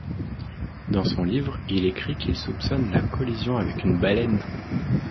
Dans son livre, il écrit qu'il soupçonne la collision avec une baleine.